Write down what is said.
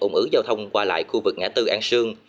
ủng ứ giao thông qua lại khu vực ngã tư an sương